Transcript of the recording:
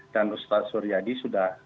dan ustadz suryadi sudah